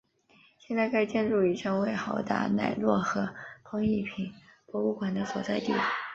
现在该建筑已成为豪达奶酪和工艺品博物馆的所在地。